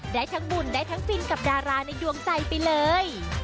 ได้ทั้งบุญได้ทั้งฟินกับดาราในดวงใจไปเลย